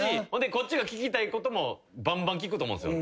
こっちが聞きたいこともバンバン聞くと思うんすよ。